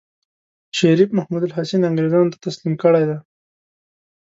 شريف محمودالحسن انګرېزانو ته تسليم کړی دی.